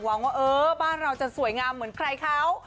ว่าเออบ้านเราจะสวยงามเหมือนใครเขา